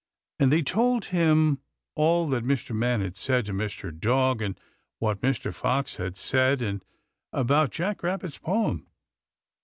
And they told him all that Mr. Man had said to Mr. Dog, and what Mr. Fox had said, and about Jack Rabbit's poem.